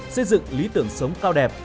xây dựng lý tưởng sống cao đẹp